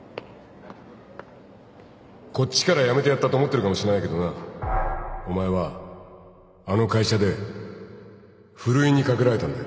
こっちから辞めてやったと思ってるかもしれないけどなお前はあの会社でふるいにかけられたんだよ